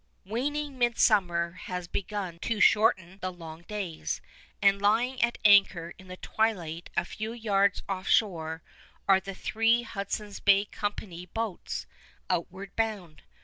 Waning midsummer has begun to shorten the long days; and lying at anchor in the twilight a few yards offshore are the three Hudson's Bay Company boats, outward bound.